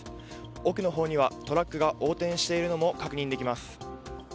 奥のほうには、トラックが横転しているのも確認できます。